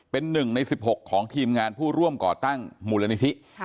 เป็นหนึ่งในสิบหกของทีมงานผู้ร่วมก่อตั้งมูลนิธิ